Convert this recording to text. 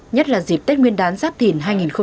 nhất là dịp tết nguyên đán giáp thìn hai nghìn hai mươi bốn